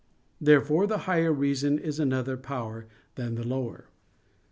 Therefore the higher reason is another power than the lower.